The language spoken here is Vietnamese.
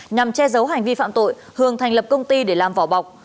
nhằm che giấu hành vi phạm tội hường thành lập công ty để làm vỏ bọc